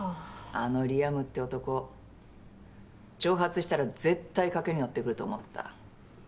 あのリアムって男挑発したら絶対賭けに乗ってくると思った。